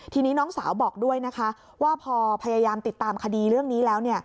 ทีนี้น้องสาวบอกด้วยนะคะว่าพอพยายามติดตามคดีเรื่องนี้แล้ว